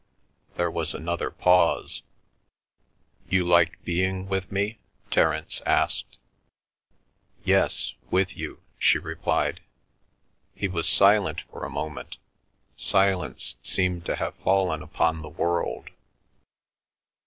There was another pause. "You like being with me?" Terence asked. "Yes, with you," she replied. He was silent for a moment. Silence seemed to have fallen upon the world.